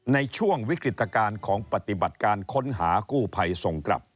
ในช่วงวิกฤตการณ์ของปฏิบัติการค้นหากู้ภัยส่งกลับ